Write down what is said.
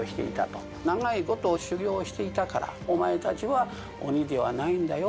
長い事修行していたから「お前たちは鬼ではないんだよ